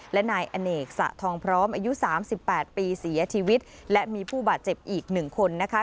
และนายอเนกสะทองพร้อมอายุสามสิบแปดปีเสียชีวิตและมีผู้บาดเจ็บอีกหนึ่งคนนะคะ